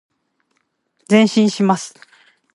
前進します。